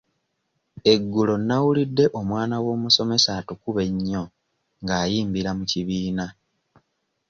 Eggulo nawulidde omwana w'omusomesa atukuba ennyo ng'ayimbira mu kibiina.